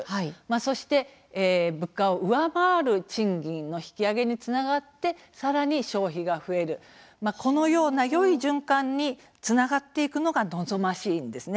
そして物価を上回る賃金の引き上げにつながってさらに消費が増えるこのようなよい循環につながっていくのが望ましいんです。